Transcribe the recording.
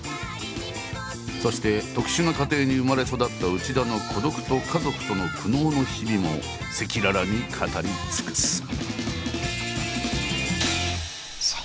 そして特殊な家庭に生まれ育った内田の孤独と家族との苦悩の日々も赤裸々に語り尽くす。